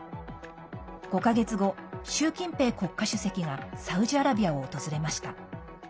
５か月後、習近平国家主席がサウジアラビアを訪れました。